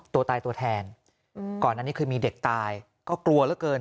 ตัวตายตัวแทนก่อนอันนี้คือมีเด็กตายก็กลัวเหลือเกิน